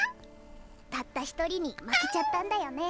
たった一人に負けちゃったんだよね。